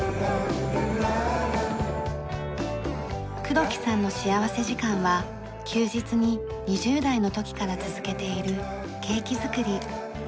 黒木さんの幸福時間は休日に２０代の時から続けているケーキづくり。